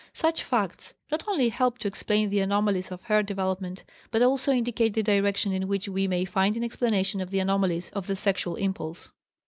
Such facts not only help to explain the anomalies of hair development, but also indicate the direction in which we may find an explanation of the anomalies of the sexual impulse.